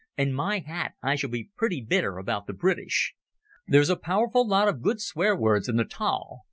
And, my hat! I shall be pretty bitter about the British. There's a powerful lot of good swear words in the taal.